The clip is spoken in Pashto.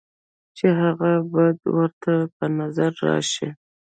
چې هغه بد ورته پۀ نظر راشي،